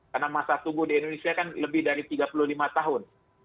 karena masa tunggu di indonesia kan lebih dari tiga puluh lima tahun